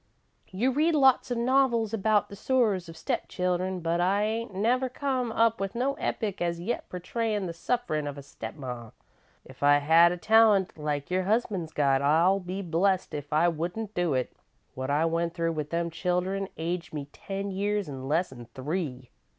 "You read lots of novels about the sorrers of step children, but I ain't never come up with no epic as yet portrayin' the sufferin's of a step ma. If I had a talent like your husband's got, I'll be blest if I wouldn't do it. What I went through with them children aged me ten years in less 'n three.